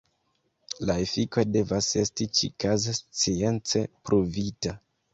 La efiko devas esti ĉikaze science pruvita.